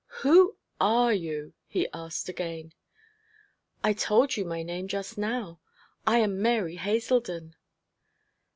'Who are you?' he asked again. 'I told you my name just now. I am Mary Haselden.'